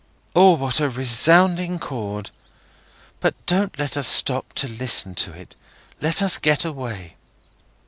O, what a resounding chord! But don't let us stop to listen to it; let us get away!"